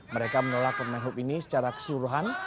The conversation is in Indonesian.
mereka menolak permen hub ini secara keseluruhan